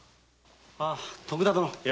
あ徳田殿。